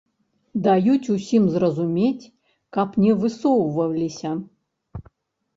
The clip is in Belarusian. Даюць усім зразумець, каб не высоўваліся.